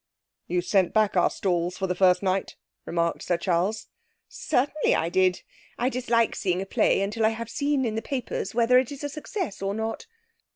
'You sent back our stalls for the first night,' remarked Sir Charles. 'Certainly I did. I dislike seeing a play until I have seen in the papers whether it is a success or not.'